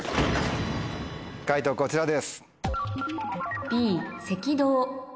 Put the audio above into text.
解答こちらです。